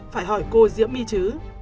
phải hỏi cô diễm my chứ